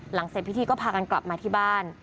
เสร็จพิธีก็พากันกลับมาที่บ้าน